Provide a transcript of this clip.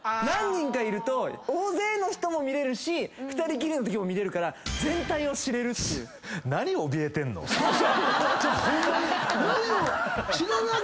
何人かいると大勢の人も見れるし２人きりのときも見れるから全体を知れるっていう。